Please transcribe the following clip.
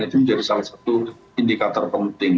itu menjadi salah satu indikator penting